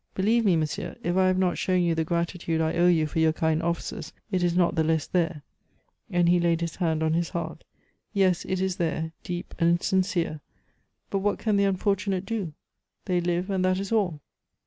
Believe me, monsieur, if I have not shown you the gratitude I owe you for your kind offices, it is not the less there," and he laid his hand on his heart. "Yes, it is there, deep and sincere. But what can the unfortunate do? They live, and that is all."